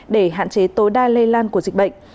để hạn chế tối đa lây lan của dịch bệnh